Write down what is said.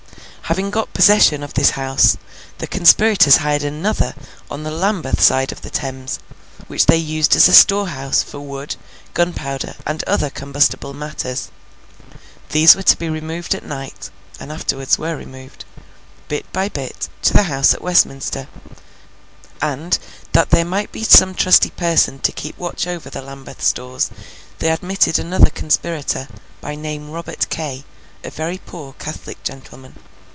Having got possession of this house, the conspirators hired another on the Lambeth side of the Thames, which they used as a storehouse for wood, gunpowder, and other combustible matters. These were to be removed at night (and afterwards were removed), bit by bit, to the house at Westminster; and, that there might be some trusty person to keep watch over the Lambeth stores, they admitted another conspirator, by name Robert Kay, a very poor Catholic gentleman.